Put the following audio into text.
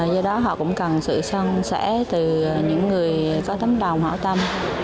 do đó họ cũng cần sự sân sẻ từ những người có tấm đồng hảo tâm